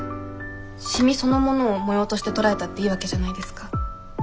染みそのものを模様として捉えたっていいわけじゃないですか。